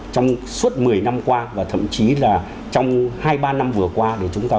trong suốt một mươi năm qua và thậm chí là trong hai ba năm vừa qua